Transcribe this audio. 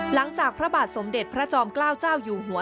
พระบาทสมเด็จพระจอมเกล้าเจ้าอยู่หัว